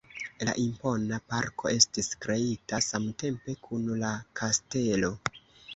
La impona parko estis kreita samtempe kun la kastelo.